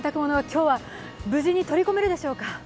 今日は無事に取り込めるでしょうか。